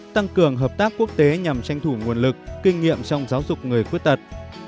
tăng cường hợp tác quốc tế nhằm tranh thủ nguồn lực kinh nghiệm trong giáo dục người khuyết tật